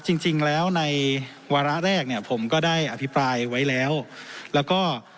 จริงจริงแล้วในวาระแรกเนี่ยผมก็ได้อภิปรายไว้แล้วแล้วก็